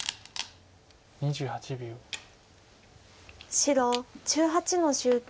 白１８の十九。